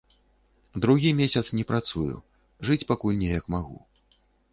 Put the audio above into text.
Другі месяц не працую, жыць пакуль неяк магу.